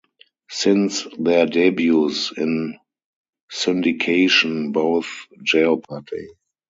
Since their debuts in syndication, both Jeopardy!